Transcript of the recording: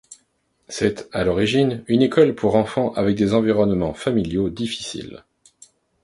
C'est à l'origine une école pour enfants avec des environnements familiaux difficiles.